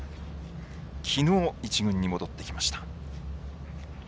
きのう一軍に戻ってきました。